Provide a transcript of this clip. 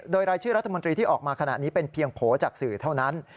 โดยรายชื่อรัฐมนตรีที่ออกมาขณะนี้เป็นเพียงโผล่จากสื่อเท่านั้น